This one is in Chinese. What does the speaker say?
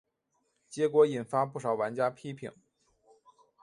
结果引发不少玩家批评。